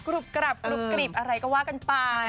กรุบกรับอะไรก็ว่ากันไป